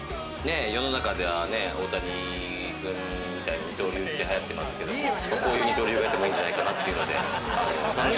世の中では大谷くんみたいな二刀流が流行ってますけれども、こういう二刀流がいてもいいんじゃないかなって。